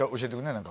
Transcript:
何か。